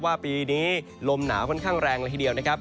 ปีนี้ลมหนาวค่อนข้างแรงเลยทีเดียวนะครับ